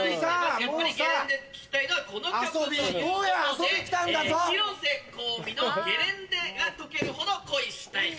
やっぱりゲレンデで聴きたいのはこの曲ということで広瀬香美の『ゲレンデがとけるほど恋したい』。